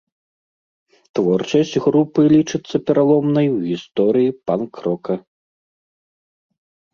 Творчасць групы лічыцца пераломнай у гісторыі панк-рока.